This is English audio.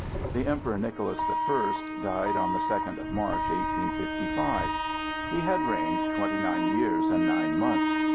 The Emperor Nicholas the First died on the second of March, 1855. He had reigned twenty nine years and nine months.